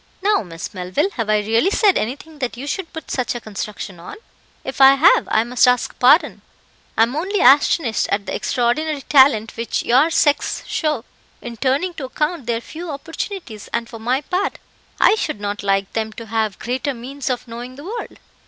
"Now, Miss Melville, have I really said anything that you should put such a construction on? If I have, I must ask pardon. I am only astonished at the extraordinary talent which your sex show in turning to account their few opportunities; and for my part, I should not like them to have greater means of knowing the world.